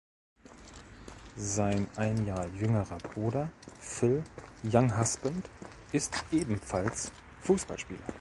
Sein ein Jahr jüngerer Bruder Phil Younghusband ist ebenfalls Fußballspieler.